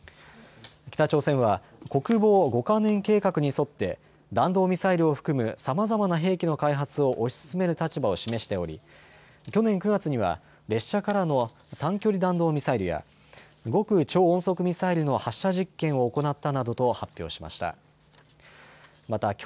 北朝鮮は国防５か年計画に沿って弾道ミサイルを含むさまざまな兵器の開発を推し進める立場を示しており、去年９月には列車からの短距離弾道ミサイルや極超音速ミサイルの発射実験を行ったなどと発表しました。